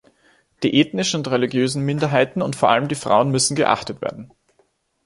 Die ethnischen und religiösen Minderheiten und vor allem die Frauen müssen geachtet werden.